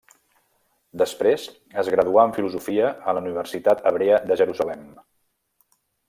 Després es graduà en filosofia a la Universitat Hebrea de Jerusalem.